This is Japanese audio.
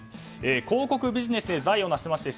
広告ビジネスで財を成しまして